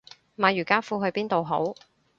買瑜伽褲去邊度好